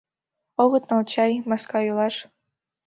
Огыт нал чай, маска йолаш?